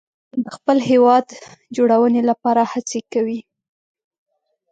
د خپل هیواد جوړونې لپاره هڅې کوي.